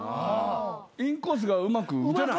インコースがうまく打てない？